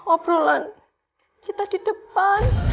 obrolan kita di depan